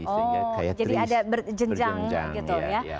oh jadi ada berjenjang gitu ya